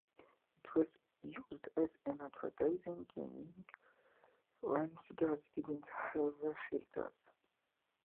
It was originally used as an advertising gimmick when cigarettes did not have filters.